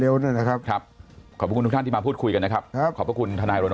เนี่ยครับใช่ขอบคุณท่านที่มาพูดคุยกันนะครับขอบคุณคุณทนาย